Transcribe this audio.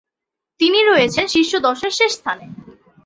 তিনি রয়েছেন শীর্ষ দশের শেষ স্থানে।